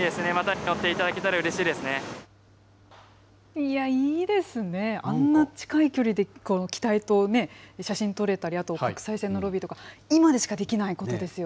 いや、いいですね、あんな近い距離で機体と写真撮れたり、あと国際線のロビーとか、今でしかできないことですよ。